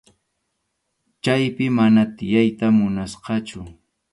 Chaypi mana tiyayta munasqachu.